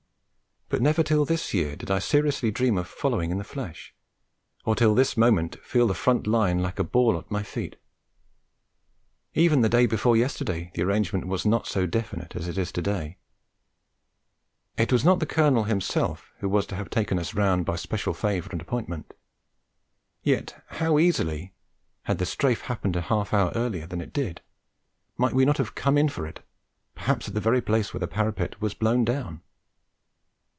But never till this year did I seriously dream of following in the flesh, or till this moment feel the front line like a ball at my feet. Even the day before yesterday the arrangement was not so definite as it is to day; it was not the Colonel himself who was to have taken us round by special favour and appointment. Yet how easily, had the Strafe happened half an hour later than it did, might we not have come in for it, perhaps at the very place where the parapet was blown down!